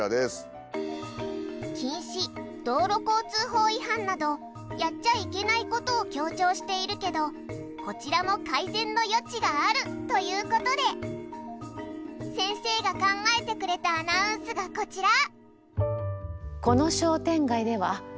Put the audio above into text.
「禁止」「道路交通法違反」などやっちゃいけないことを強調しているけどこちらも改善の余地があるということで先生が考えてくれたアナウンスがこちら！